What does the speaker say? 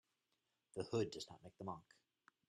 The hood does not make the monk.